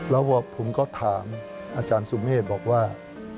แล้วผมก็ถามอาจารย์สุเมฆบอกว่า